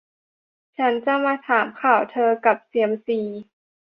ฉันมาถามข่าวเธอกับเซียมซี ?